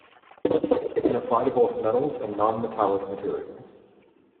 It can apply to both metals and non-metallic materials.